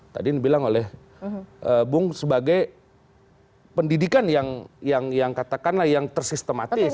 tadi dibilang oleh bung sebagai pendidikan yang katakanlah yang tersistematis